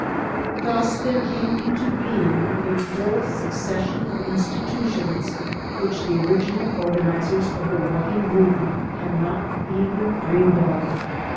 Thus there came into being a whole succession ' of institutions which the original organizers of the walking movement had not even dreamed of.